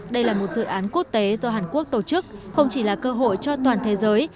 đây là một dự án quốc tế do hàn quốc tổ chức không chỉ là cơ hội cho toàn thế giới